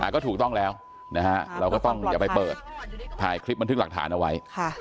ก็ถูกต้องแล้วนะฮะเราก็ต้องอย่าไปเปิดถ่ายคลิปบันทึกหลักฐานเอาไว้